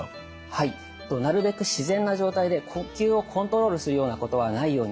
はいなるべく自然な状態で呼吸をコントロールするようなことはないようにしてみてください。